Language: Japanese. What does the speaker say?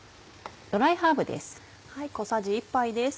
ドライハーブです。